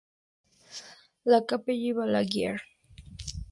La Capelle-Balaguier